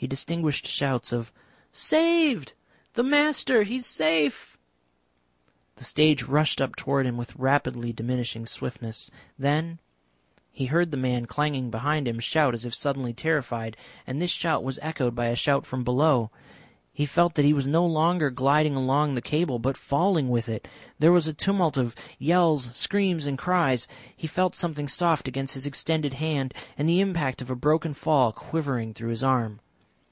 He distinguished shouts of "Saved! The Master. He is safe!" The stage rushed up towards him with rapidly diminishing swiftness. Then He heard the man clinging behind him shout as if suddenly terrified, and this shout was echoed by a shout from below. He felt that he was no longer gliding along the cable but falling with it. There was a tumult of yells, screams, and cries. He felt something soft against his extended hand, and the impact of a broken fall quivering through his arm....